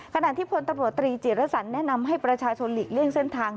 ขณะที่พลตำรวจตรีจิรสันแนะนำให้ประชาชนหลีกเลี่ยงเส้นทาง